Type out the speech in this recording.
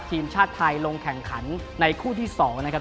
ทีมชาติไทยลงแข่งขันในคู่ที่๒นะครับ